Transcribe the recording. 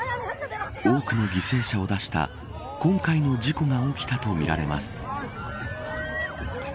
多くの犠牲者を出した今回の事故が起きたとみられます。